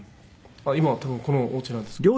今は多分このお家なんですけど。